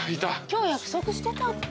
今日約束してたっけ？